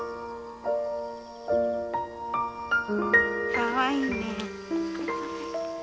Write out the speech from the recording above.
かわいいね。